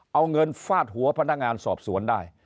เอาเงินฟาดหัวพนักงานสอบสวนได้